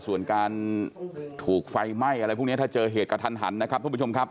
ส่วนการถูกไฟไหม้อะไรพวกนี้ถ้าเจอเหตุกระทันหันนะครับทุกผู้ชมครับ